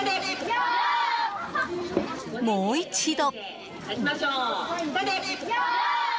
もう一度。